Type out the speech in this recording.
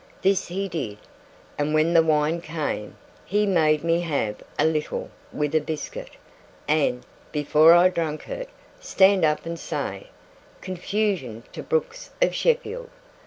This he did; and when the wine came, he made me have a little, with a biscuit, and, before I drank it, stand up and say, 'Confusion to Brooks of Sheffield!